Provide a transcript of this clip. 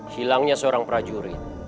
hilangnya seorang prajurit